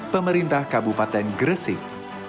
pemerintah kabupaten gresik